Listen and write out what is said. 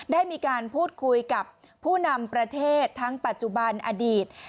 ได้มีการพูดคุยกับผู้นำประเทศทั้งปัจจุบันอดีต